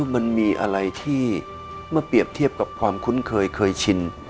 มันมีอะไรที่มาเปรียบเทียบจะคุ้มค่อยชิน